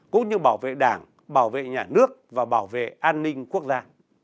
cũng như bảo vệ đảng bảo vệ nhà nước và bảo vệ an ninh quốc gia